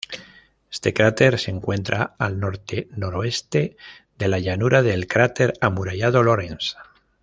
Este cráter se encuentra al norte-noroeste de la llanura del cráter amurallado Lorentz.